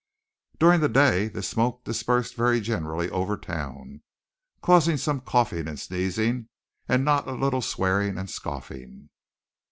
During the day this smoke dispersed very generally over town, causing some coughing and sneezing, and not a little swearing and scoffing.